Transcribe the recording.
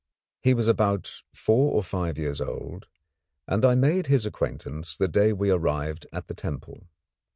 He was about four or five years old, and I made his acquaintance the day we arrived at the temple.